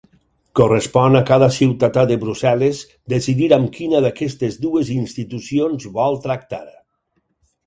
Correspon a cada ciutadà de Brussel·les decidir amb quina d'aquestes dues institucions vol tractar.